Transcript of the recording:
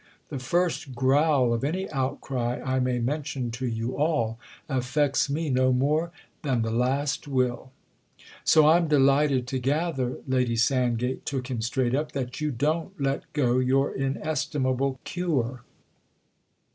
The 'first growl' of any outcry, I may mention to you all, affects me no more than the last will——!" "So I'm delighted to gather"—Lady Sandgate took him straight up—"that you don't let go your inestimable Cure."